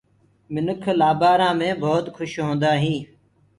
منک لآبآرآ مي ڀوت کوُش هوندآ هينٚ۔